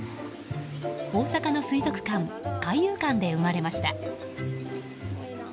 大阪の水族館、海遊館で生まれました。